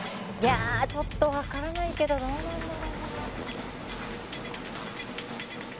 ちょっと分からないけどどうなんだろう？